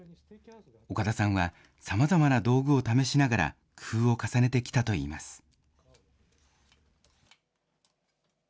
岡田さんはさまざまな道具を試しながら、工夫を重ねてきたといいます。